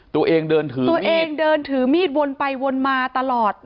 ตัวเองเดินถือตัวเองเดินถือมีดวนไปวนมาตลอด